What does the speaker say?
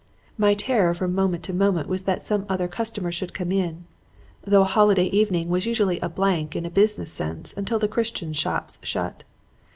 "My terror from moment to moment was that some other customer should come in, though a holiday evening was usually a blank in a business sense until the Christian shops shut.